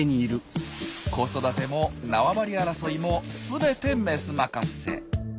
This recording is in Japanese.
子育ても縄張り争いもすべてメス任せ。